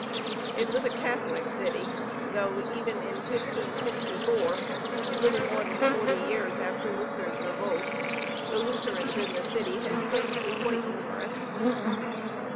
It was a Catholic city, though even in 1564, little more than forty years after Luther's revolt, the Lutherans in the city had begun to be quite numerous.